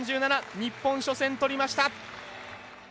日本、初戦とりました。